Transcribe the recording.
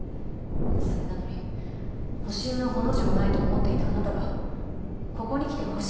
それなのに保身の「ほ」の字もないと思っていたあなたがここにきて保身ですか。